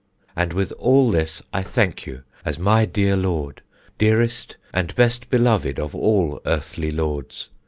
And with all this I thank you as my dear Lord, dearest and best beloved of all earthly lords.